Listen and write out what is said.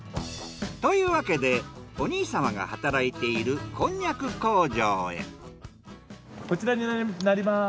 というわけでお兄様が働いているこちらになります。